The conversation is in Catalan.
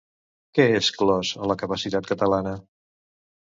Què és clos a la capital catalana?